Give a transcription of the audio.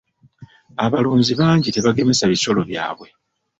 Abalunzi bangi tebagemesa bisolo byabwe.